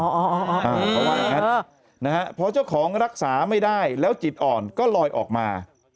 เพราะว่าอย่างนั้นพอเจ้าของรักษาไม่ได้แล้วจิตอ่อนก็ลอยออกมา